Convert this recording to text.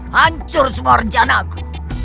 hancur semua rencanaku